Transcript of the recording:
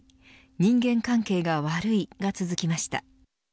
人間関係が悪いが続きました。